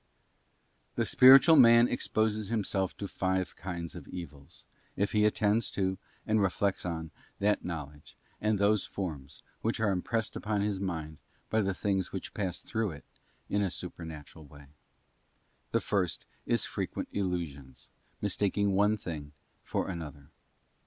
Tue spiritual man exposes himself to five kinds of evils, if he attends to, and reflects on, that knowledge, and those forms, which are impressed upon his mind by the things which pass through it in a supernatural way. The first is frequent illusions, mistaking one thing for another.